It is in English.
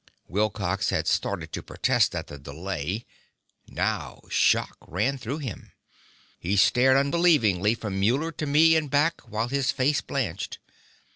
Wilcox had started to protest at the delay. Now shock ran through him. He stared unbelievingly from Muller to me and back, while his face blanched.